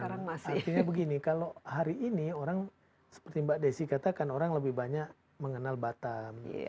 artinya begini kalau hari ini orang seperti mbak desi katakan orang lebih banyak mengenal batam